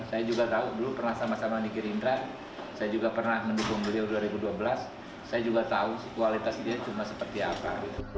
saya juga tahu dulu pernah sama sama di gerindra saya juga pernah mendukung beliau dua ribu dua belas saya juga tahu kualitas dia cuma seperti apa